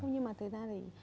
nhưng mà thực ra thì